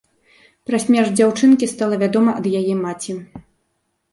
Пра смерць дзяўчынкі стала вядома ад яе маці.